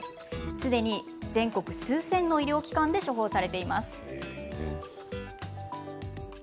すでに全国数千の医療機関で処方されています。